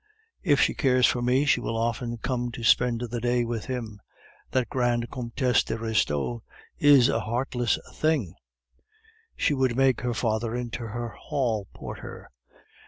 If she cares for me, she will often come to spend the day with him. That grand Comtesse de Restaud is a heartless thing; she would make her father into her hall porter.